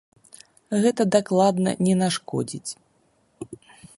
Гэта дакладна не нашкодзіць.